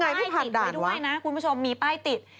อย่างไรที่ผ่านด่านเมื่อก่อนพี่พายด้วยนะคุณผู้ชม